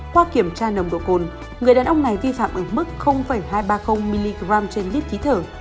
qua kiểm tra nồng độ cồn người đàn ông này vi phạm ở mức hai trăm ba mươi mg trên lít khí thở